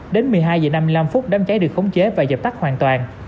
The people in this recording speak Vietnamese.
đến một mươi hai h năm mươi năm đám cháy được khống chế và dập tắt hoàn toàn